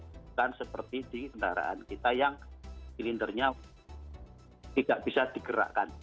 bukan seperti di kendaraan kita yang silindernya tidak bisa digerakkan